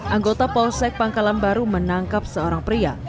anggota polsek pangkalan baru menangkap seorang pria